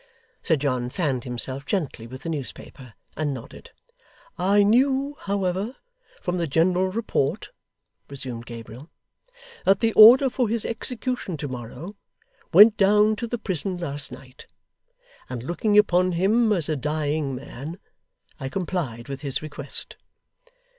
Sir John fanned himself gently with the newspaper, and nodded. 'I knew, however, from the general report,' resumed Gabriel, 'that the order for his execution to morrow, went down to the prison last night; and looking upon him as a dying man, I complied with his request.